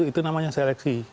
itu namanya seleksi